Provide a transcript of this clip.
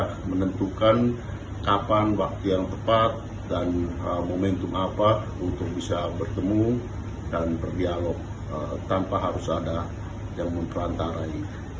kita menentukan kapan waktu yang tepat dan momentum apa untuk bisa bertemu dan berdialog tanpa harus ada yang memperlantarai